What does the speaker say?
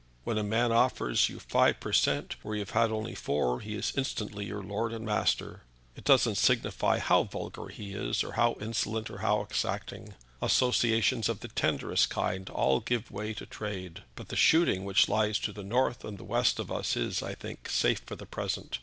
When a man offers you five per cent. where you've only had four, he is instantly your lord and master. It doesn't signify how vulgar he is, or how insolent, or how exacting. Associations of the tenderest kind must all give way to trade. But the shooting which lies to the north and west of us is, I think, safe for the present.